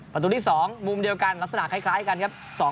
ประตูที่๒มุมเดียวกันลักษณะคล้ายกันครับ